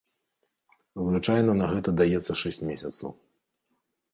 Звычайна на гэта даецца шэсць месяцаў.